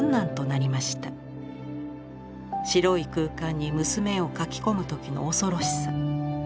白い空間に娘を描きこむ時の恐ろしさ。